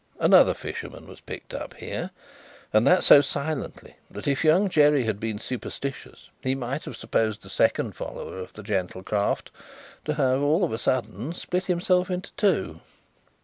Another fisherman was picked up here and that so silently, that if Young Jerry had been superstitious, he might have supposed the second follower of the gentle craft to have, all of a sudden, split himself into two.